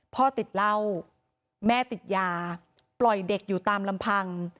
พ่อติดเหล้าแม่ติดยาปล่อยเด็กอยู่ตามลำพัง